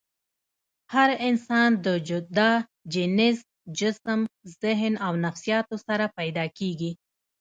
هر انسان د جدا جينز ، جسم ، ذهن او نفسياتو سره پېدا کيږي